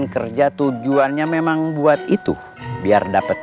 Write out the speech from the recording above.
kamu kenapa masih diem